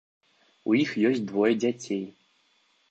У іх ёсць двое дзяцей.